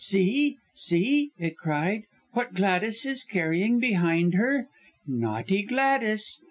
'See! see,' it cried, 'what Gladys is carrying behind her. Naughty Gladys!'